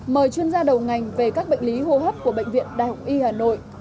mời chuyên gia đầu ngành về các bệnh lý hô hấp của bệnh viện đại học y hà nội